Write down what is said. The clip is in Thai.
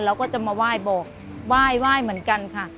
เราก็จะมาไหว้บอกไหว้เหมือนกันค่ะ